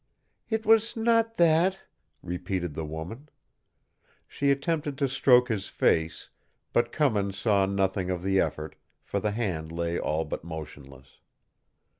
"It was not that," repeated the woman. She attempted to stroke his face, but Cummins saw nothing of the effort, for the hand lay all but motionless.